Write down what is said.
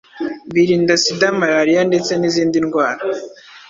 birinda Sida, malariya ndetse n’izindi ndwara.”